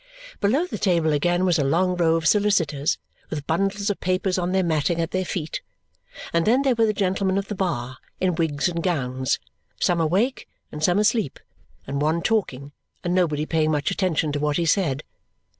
Below the table, again, was a long row of solicitors, with bundles of papers on the matting at their feet; and then there were the gentlemen of the bar in wigs and gowns some awake and some asleep, and one talking, and nobody paying much attention to what he said.